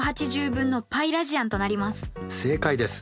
正解です。